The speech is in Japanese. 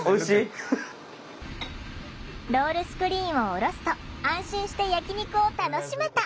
ロールスクリーンを下ろすと安心して焼き肉を楽しめた！